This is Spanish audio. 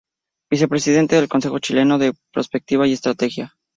Vicepresidente del Consejo Chileno de Prospectiva y Estrategia.